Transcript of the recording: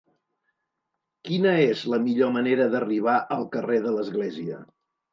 Quina és la millor manera d'arribar al carrer de l'Església?